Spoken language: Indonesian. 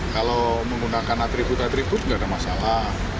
kalau menggunakan atribut atribut nggak ada masalah